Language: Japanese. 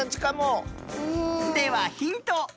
ではヒント。